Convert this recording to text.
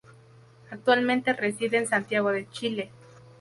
Actualmente reside en Santiago de Chile.